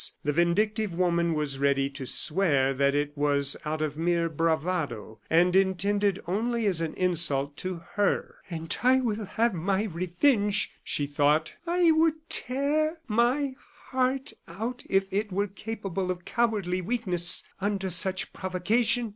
The vindictive woman was ready to swear that it was out of mere bravado, and intended only as an insult to her. "And I will have my revenge," she thought. "I would tear my heart out if it were capable of cowardly weakness under such provocation!"